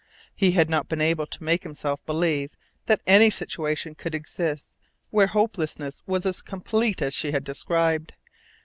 He had not been able to make himself believe that any situation could exist where hopelessness was as complete as she had described.